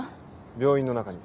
病院の中に。